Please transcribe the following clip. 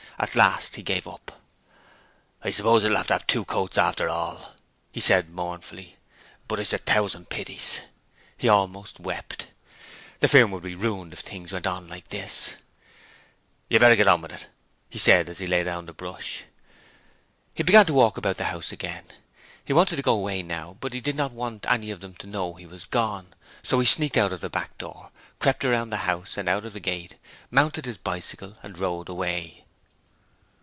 At last he gave it up. 'I suppose it'll have to have two coats after all,' he said, mournfully. 'But it's a thousand pities.' He almost wept. The firm would be ruined if things went on like this. 'You'd better go on with it,' he said as he laid down the brush. He began to walk about the house again. He wanted to go away now, but he did not want them to know that he was gone, so he sneaked out of the back door, crept around the house and out of the gate, mounted his bicycle and rode away.